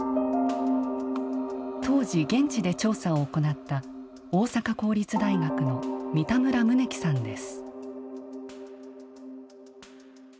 当時、現地で調査を行った大阪公立大学の三田村宗樹さんです。